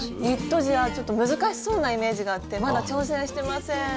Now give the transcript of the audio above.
ニット地はちょっと難しそうなイメージがあってまだ挑戦してません。